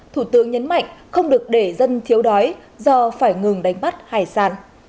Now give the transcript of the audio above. thủ tướng nhấn mạnh không được để dân thiếu đói do phải ngừng đánh bắt hải sản